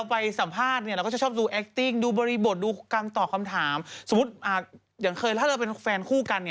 แต่จริงคุณระเด็ดบอกลักษณ์ล่ะก็บอกลักษณ์